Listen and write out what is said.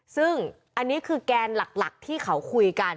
ซึ่งอันนี้คือแกนหลักที่เขาคุยกัน